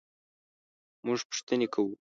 مونږ پوښتنې کوو